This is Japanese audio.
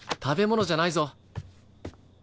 食べ物じゃないぞ。